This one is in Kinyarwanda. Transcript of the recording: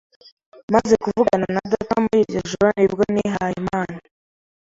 Maze kuvugana na data muri iryo joro ni bwo nihaye Imana